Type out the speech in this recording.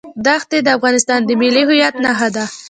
دښتې د افغانستان د ملي هویت نښه ده.